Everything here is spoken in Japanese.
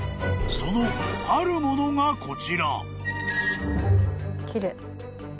［そのあるものがこちら］